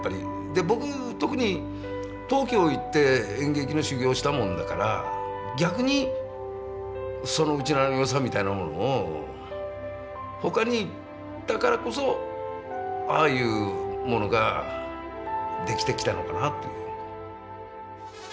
で僕特に東京へ行って演劇の修業したもんだから逆にそのウチナーのよさみたいなものをほかに行ったからこそああいうものができてきたのかなという。